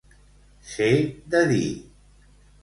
Ser de dir.